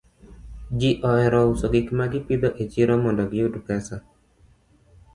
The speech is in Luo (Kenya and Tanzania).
Ji ohero uso gik ma gipidho e chiro mondo giyud pesa.